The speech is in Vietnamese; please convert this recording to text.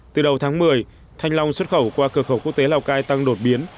từ đầu tháng một mươi thanh long xuất khẩu qua cửa khẩu quốc tế lào cai tăng đột biến